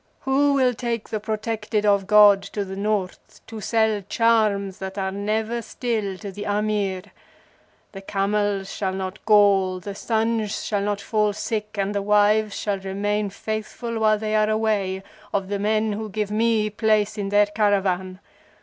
Who will take the Protected of God to the North to sell charms that are never still to the Amir? The camels shall not gall, the sons shall not fall sick, and the wives shall remain faithful while they are away, of the men who give me place in their caravan.